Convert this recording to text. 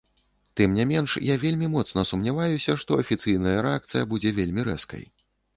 Тым не менш, я вельмі моцна сумняваюся, што афіцыйная рэакцыя будзе вельмі рэзкай.